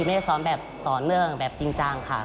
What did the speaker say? แม่ซ้อมแบบต่อเนื่องแบบจริงจังค่ะ